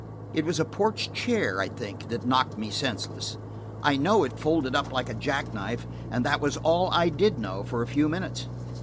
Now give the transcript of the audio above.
It was a porch chair, I think, that knocked me senseless; I know I folded up like a jack knife, and that was all I did know for a few minutes.